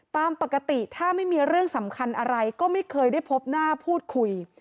ตามปกติถ้าไม่มีเรื่องสำคัญอะไรก็ไม่เคยได้พบหน้าพูดคุย